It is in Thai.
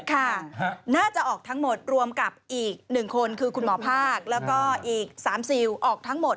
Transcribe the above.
ค่ะน่าจะออกทั้งหมดรวมกับอีก๑คนคือคุณหมอภาคแล้วก็อีก๓ซิลออกทั้งหมด